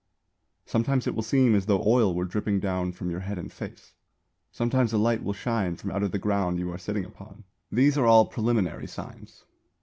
Sometimes it will seem as though oil were dripping down from your head and face; sometimes a light will shine from out of the ground you are sitting upon. These are all preliminary signs.